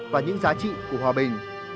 và những giá trị của hòa bình